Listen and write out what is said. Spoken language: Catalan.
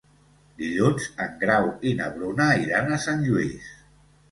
Dilluns en Grau i na Bruna iran a Sant Lluís.